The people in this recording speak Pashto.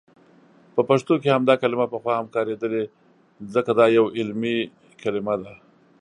په پښتو کې همدا کلمه پخوا هم کاریدلي، ځکه دا یو علمي کلمه ده.